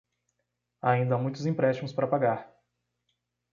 Ainda há muitos empréstimos para pagar.